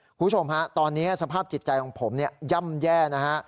คุณผู้ชมฮะตอนนี้สภาพจิตใจของผมย่ำแย่นะฮะ